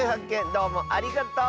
どうもありがとう！